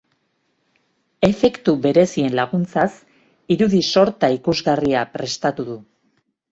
Efektu berezien laguntzaz, irudi sorta ikusgarria prestatu du.